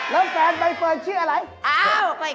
แล้วแฟนใบเฟิร์นชื่ออะไร